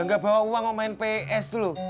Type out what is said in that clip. nggak bawa uang inis ios dulu